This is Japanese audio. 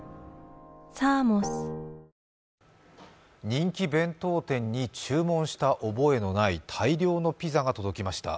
人気弁当店に注文した覚えのない大量のピザが届きました。